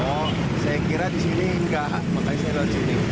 oh saya kira di sini enggak makanya saya lewat sini